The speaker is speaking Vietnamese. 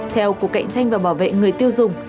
theo cuộc cạnh tranh và bảo vệ người tiêu dùng